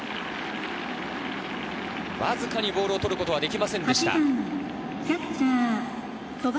わずかにボールを捕ることはできませんでした。